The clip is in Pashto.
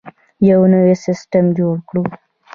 یو نوی سیستم جوړ کړو.